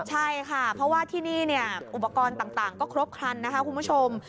ใช่ค่ะเพราะว่าที่นี่อุปกรณ์ต่างก็ครบครันนะคะคุณผู้ชม